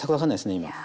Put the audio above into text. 今。